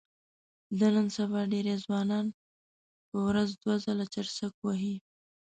د نن سبا ډېری ځوانان په ورځ دوه ځله چرسک وهي.